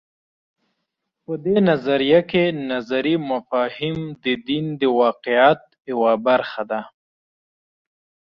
په دې نظریه کې نظري مفاهیم د دین د واقعیت یوه برخه ده.